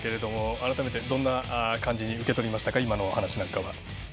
改めて、どう受け取りましたか今のお話なんかは。